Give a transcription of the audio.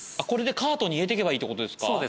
これでカートに入れてけばいいってことですか？